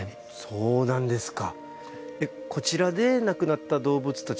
そうなんですか。